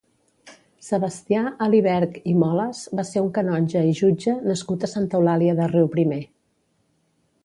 Sebastià Aliberch i Molas va ser un canonge i jutge nascut a Santa Eulàlia de Riuprimer.